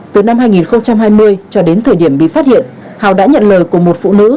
từ năm hai nghìn hai mươi cho đến thời điểm bị phát hiện hào đã nhận lời của một phụ nữ